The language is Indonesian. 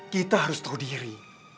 kita harus tahu diri